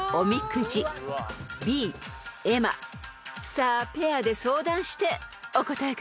［さあペアで相談してお答えください］